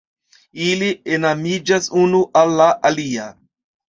Ili enamiĝas unu al la alia.